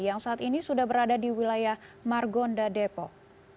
yang saat ini sudah berada di wilayah margonda depok